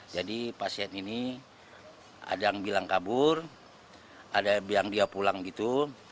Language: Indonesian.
jadi pasien ini ada yang bilang kabur ada yang bilang dia pulang gitu